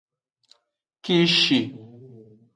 Kishi.